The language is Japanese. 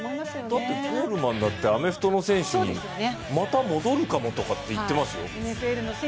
だってコールマンだって、アメフトの選手にまた戻るかもって言ってますよ。